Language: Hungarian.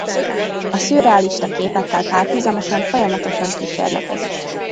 A szürrealista képekkel párhuzamosan folyamatosan kísérletezik.